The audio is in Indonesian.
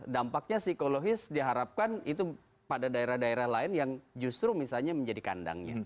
dampaknya psikologis diharapkan itu pada daerah daerah lain yang justru misalnya menjadi kandangnya